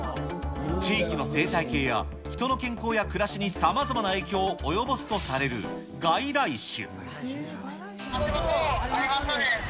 地域の生態系や人の健康や暮らしにさまざまな影響を及ぼすとされる外来種。